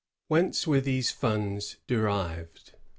Whence were these funds derived?